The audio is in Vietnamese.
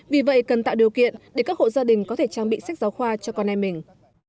vì vậy cần tạo điều kiện để các hộ gia đình có thể trang bị sách giáo khoa cho con em mình